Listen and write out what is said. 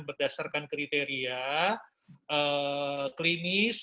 berdasarkan kriteria klinis